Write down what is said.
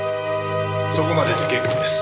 そこまでで結構です。